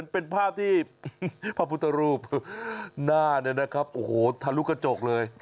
เป็นภาพที่พระพุทธรูปหน้าเนี่ยนะครับโอ้โหทะลุกระจกเลย